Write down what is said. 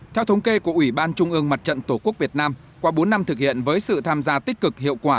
theo thống kê của ủy ban trung ương mặt trận tổ quốc việt nam qua bốn năm thực hiện với sự tham gia tích cực hiệu quả